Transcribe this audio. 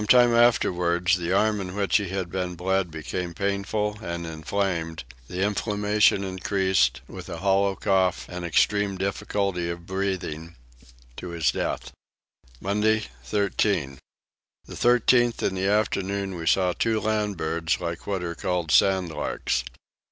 Some time afterwards the arm in which he had been bled became painful and inflamed: the inflammation increased, with a hollow cough, and extreme difficulty of breathing, to his death. Monday 13. The 13th in the afternoon we saw two land birds like what are called sand larks.